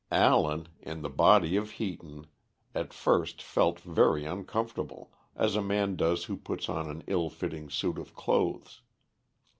Allen, in the body of Heaton, at first felt very uncomfortable, as a man does who puts on an ill fitting suit of clothes.